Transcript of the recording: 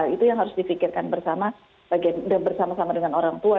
itu yang harus di pikirkan bersama dengan orang tua